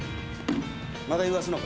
また言わすのか？